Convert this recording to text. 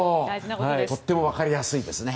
とても分かりやすいですね。